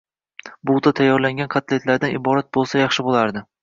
Bugʻda tayyorlangan kotletlardan iborat boʻlsa yaxshi boʻlardi.